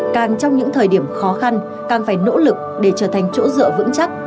càng trong những thời điểm khó khăn càng phải nỗ lực để trở thành chỗ dựa vững chắc